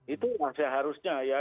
itu masih harusnya ya